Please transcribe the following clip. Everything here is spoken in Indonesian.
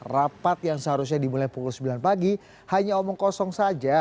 rapat yang seharusnya dimulai pukul sembilan pagi hanya omong kosong saja